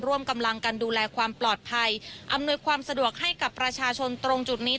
ร่วมกำลังกันดูแลความปลอดภัยอำนวยความสะดวกให้กับประชาชนตรงจุดนี้